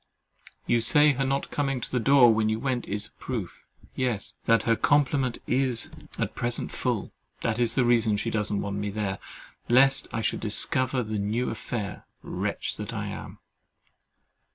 You say her not coming to the door when you went is a proof—yes, that her complement is at present full! That is the reason she doesn't want me there, lest I should discover the new affair—wretch that I am!